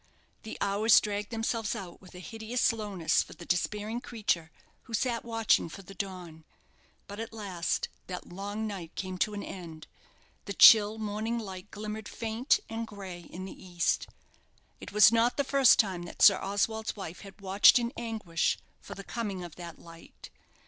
The hours dragged themselves out with a hideous slowness for the despairing creature who sat watching for the dawn; but at last that long night came to an end, the chill morning light glimmered faint and gray in the east. It was not the first time that Sir Oswald's wife had watched in anguish for the coming of that light.